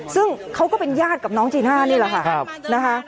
ซึ่งเขาก็เป็นญาติกับน้องจีน่านี่แหละค่ะนะคะ